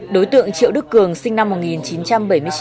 đối tượng triệu đức cường sinh năm một nghìn chín trăm bảy mươi chín